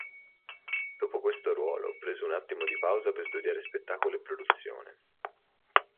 Dopo questo ruolo, preso un attimo di pausa per studiare spettacolo e produzione.